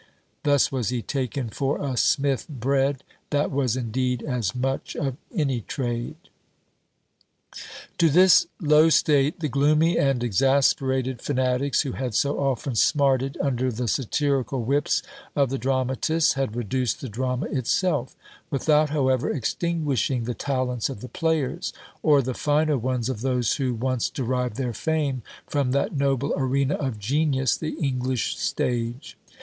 Thus was he taken for a smith bred, that was, indeed, as much of any trade." To this low state the gloomy and exasperated fanatics, who had so often smarted under the satirical whips of the dramatists, had reduced the drama itself; without, however, extinguishing the talents of the players, or the finer ones of those who once derived their fame from that noble arena of genius, the English stage.